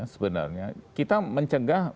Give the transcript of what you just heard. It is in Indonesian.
sebenarnya kita mencegah